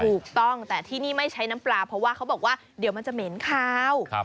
ถูกต้องแต่ที่นี่ไม่ใช้น้ำปลาเพราะว่าเขาบอกว่าเดี๋ยวมันจะเหม็นคาว